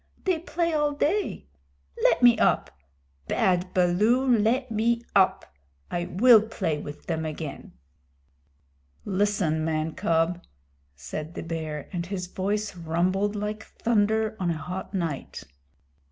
They play all day. Let me get up! Bad Baloo, let me up! I will play with them again." "Listen, man cub," said the Bear, and his voice rumbled like thunder on a hot night.